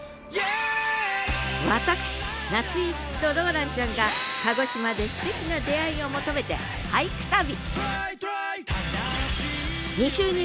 私夏井いつきとローランちゃんが鹿児島ですてきな出会いを求めて俳句旅！